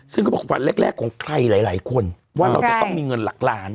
คุณก็บอกว่าผันแรกหลายคนว่าเดี๋ยวต้องมีเงินหลักล้าน